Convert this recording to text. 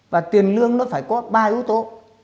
và tiền lương nó phải có ba ưu tố